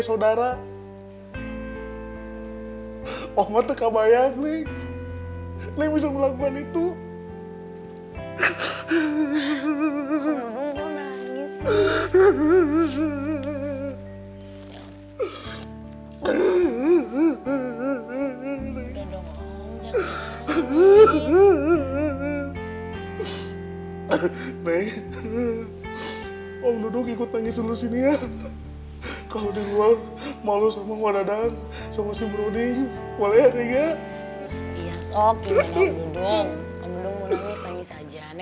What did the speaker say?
yaudah ah neng gue dibawa aja